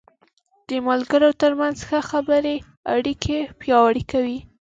د ملګرو تر منځ ښه خبرې اړیکې پیاوړې کوي.